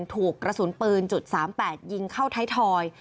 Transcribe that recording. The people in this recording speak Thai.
ถูกกระสุนปืน๓๘ยิงเข้าไทยทอย